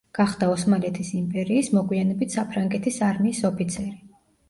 გახდა ოსმალეთის იმპერიის, მოგვიანებით საფრანგეთის არმიის ოფიცერი.